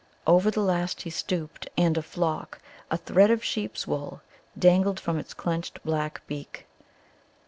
Over the last he stooped, and a flock, a thread of sheep's wool dangled from its clenched black beak.